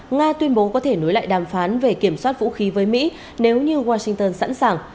nga tuyên bố có thể nối lại đàm phán về kiểm soát vũ khí với mỹ nếu như washington sẵn sàng